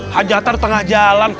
hajatan tengah jalan